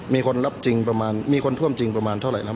มีคนรับจริงประมาณมีคนท่วมจริงประมาณเท่าไหร่ครับ